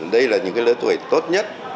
đây là những cái lứa tuổi tốt nhất